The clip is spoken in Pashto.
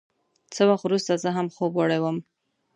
څه وخت وروسته زه هم خوب وړی وم.